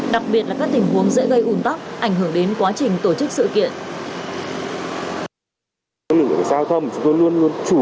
đặc biệt là các tình huống dễ gây ủn tắc ảnh hưởng đến quá trình tổ chức sự kiện